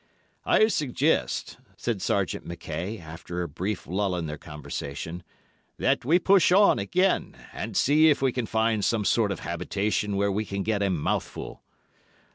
"I suggest," said Sergeant Mackay, after a brief lull in their conversation, "that we push on again and see if we can find some sort of habitation where we can get a mouthful."